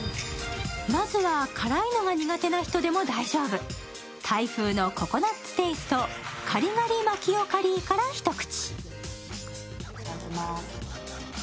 まずは、辛いのが苦手な人でも大丈夫、タイ風のココナッツテイストカリガリマキオカリーから一口。